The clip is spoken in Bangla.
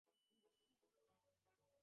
সরি আসতে দেরী হল।